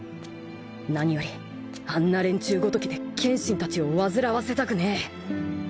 何よりあんな連中ごときで剣心たちを煩わせたくねえ